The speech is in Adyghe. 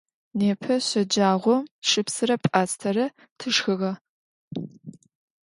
Nêpe şecağom şıpsıre p'astere tşşxığe.